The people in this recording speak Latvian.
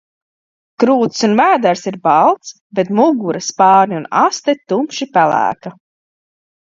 Krūtis un vēders ir balts, bet mugura, spārni un aste tumši pelēka.